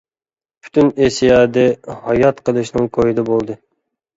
پۈتۈن ئېسى يادى ھايات قېلىشنىڭ كويىدا بولدى.